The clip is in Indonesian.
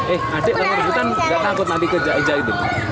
eh adik rebutan gak takut nanti kerja aja itu